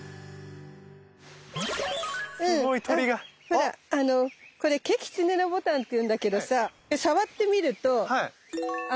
ほらこれケキツネノボタンって言うんだけどさで触ってみると全体に毛が多いので。